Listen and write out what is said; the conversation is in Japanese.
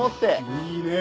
いいねぇ。